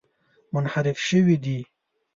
منحرف شوي دي.